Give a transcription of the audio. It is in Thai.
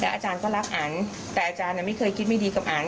แล้วอาจารย์ก็รักอาหารแต่อาจารย์ไม่เคยคิดไม่ดีกับอาหาร